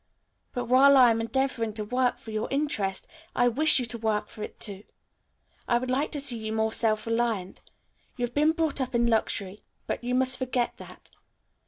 But, while I am endeavoring to work for your interest I wish you to work for it, too. I would like to see you more self reliant. You have been brought up in luxury, but you must forget that.